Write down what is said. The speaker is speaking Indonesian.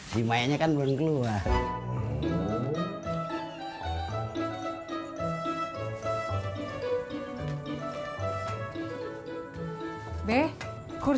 di mayanya kan belum keluar